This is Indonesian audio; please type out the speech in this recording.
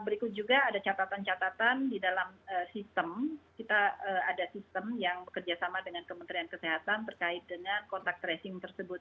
berikut juga ada catatan catatan di dalam sistem kita ada sistem yang bekerjasama dengan kementerian kesehatan terkait dengan kontak tracing tersebut